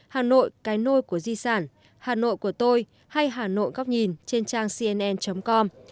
hà nội cái nôi của di sản hà nội của tôi hay hà nội góc nhìn trên trang cnn com